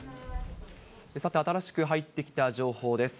さて、新しく入ってきた情報です。